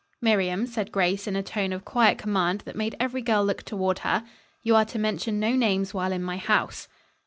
"Miriam," said Grace in a tone of quiet command that made every girl look toward her, "you are to mention no names while in my house."